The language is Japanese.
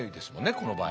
この場合。